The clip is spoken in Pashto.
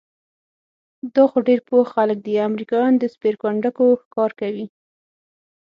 دا خو ډېر پوه خلک دي، امریکایان د سپېرکونډکو ښکار کوي؟